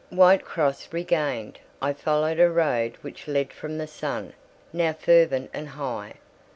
Whitcross regained, I followed a road which led from the sun, now fervent and high.